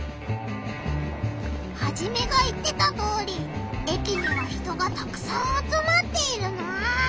ハジメが言ってたとおり駅には人がたくさん集まっているな！